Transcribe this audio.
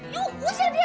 you usir dia you